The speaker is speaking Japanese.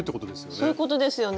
そういうことですよね。